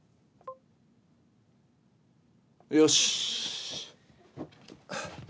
よし。